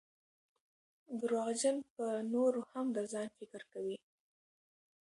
درواغجن پرنورو هم دځان فکر کوي